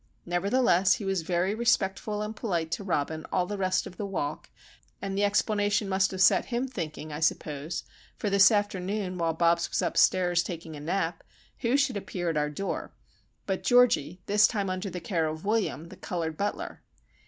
Nevertheless, he was very respectful and polite to Robin all the rest of the walk, and the explanation must have set him thinking, I suppose, for this afternoon while Bobs was upstairs taking a nap, who should appear at our door but Georgie, this time under the care of William, the coloured butler.